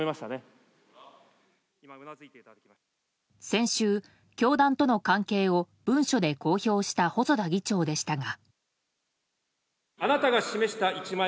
先週、教団との関係を文書で公表した細田議長でしたが。